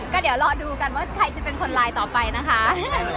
ก็เดี๋ยวรอดูกันว่าใครจะเป็นคนไลน์ต่อไปนะคะ